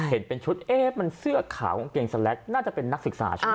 เห็นเป็นชุดเอ๊ะมันเสื้อขาวกางเกงสแล็กน่าจะเป็นนักศึกษาใช่ไหม